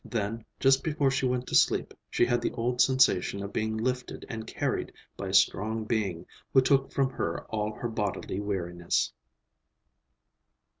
Then, just before she went to sleep, she had the old sensation of being lifted and carried by a strong being who took from her all her bodily weariness.